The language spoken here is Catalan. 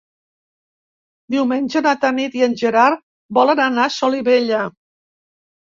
Diumenge na Tanit i en Gerard volen anar a Solivella.